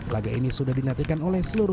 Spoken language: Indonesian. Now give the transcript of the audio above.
laga ini sudah dinantikan oleh psm makassar